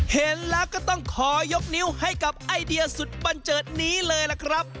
เห็นแล้วก็ต้องขอยกนิ้วให้กับไอเดียสุดบันเจิดนี้เลยล่ะครับ